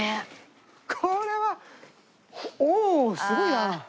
これはおおすごいな！